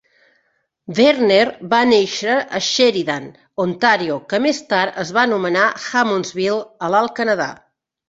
Verner va néixer a Sheridan, Ontario, que més tard es va anomenar Hammondsville, a l'Alt Canadà.